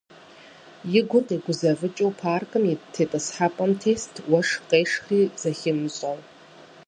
И гур къигузэвыкӀыу паркым ит тетӀысхьэпӀэм тест, уэшх къешхри зыхимыщӀэу.